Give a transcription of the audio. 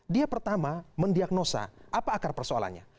dia pertama mendiagnosa apa akar persoalannya